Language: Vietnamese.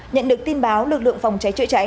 nhận được tin báo lực lượng phòng cháy chữa cháy